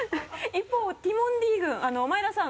一方ティモンディ軍前田さん。